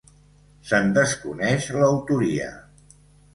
Se'n desconeix l'autoria.